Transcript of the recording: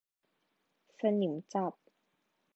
สนิมจับ